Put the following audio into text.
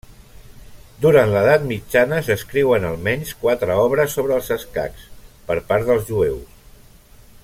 Durant l'edat mitjana s'escriuen almenys quatre obres sobre els escacs, per part dels jueus.